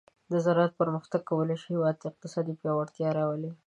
د زراعت پرمختګ کولی شي هیواد ته اقتصادي پیاوړتیا راولي.